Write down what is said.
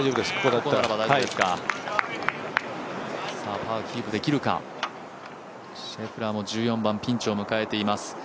シェフラーも１４番ピンチを迎えています。